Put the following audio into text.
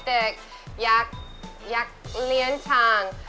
เป็นเด็กอยากเรียนช้าง